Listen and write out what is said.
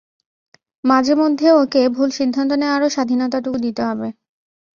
মাঝেমধ্যে ওকে ভুল সিদ্ধান্ত নেয়ারও স্বাধীনতাটুকু দিতে হবে।